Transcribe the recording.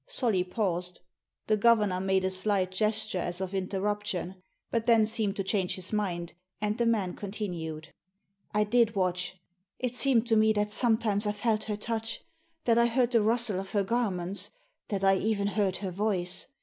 Solly paused. The governor made a slight gesture as of interruption ; but then seemed to change his mind, and the man continued. " I did watch. It seemed to me that sometimes I felt her touch, that I heard the rustle of her garments, that I even heard her voice.